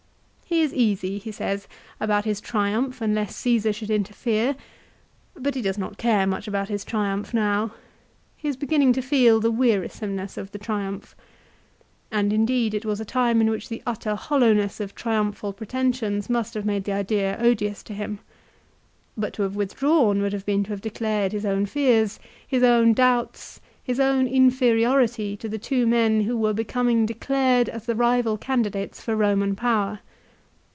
He is easy, he says, about his Triumph unless Csesar should interfere, but he does not care much about his Triumph now. He is beginning to feel the wearisomeness of the Triumph. And indeed it was a time in which the utter THE WAR BETWEEN CAESAR AND POMPEY. 135 hollowness of triumphal pretensions must have made the idea odious to him. But to have withdrawn would have been to have declared his own fears, his own doubts, his own inferiority to the two men who were becoming declared as the rival candidates for Roman power.